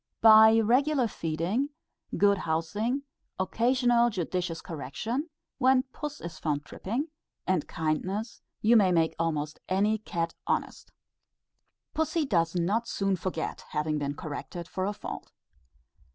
By regular feeding, good housing, occasional judicious correction when puss is found tripping and kindness, you may make almost any cat honest. Pussy does not soon forget having been corrected for a fault.